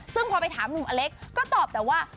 ซึ่งพอไปถามหนุ่มอเล็กก็ตอบแต่ว่า